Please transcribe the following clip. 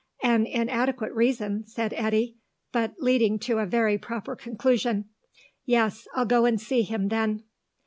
"An inadequate reason," said Eddy, "but leading to a very proper conclusion. Yes, I'll go and see him, then."